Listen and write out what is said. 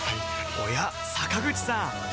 おや坂口さん